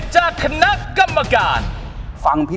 รัคคือเพลงนี้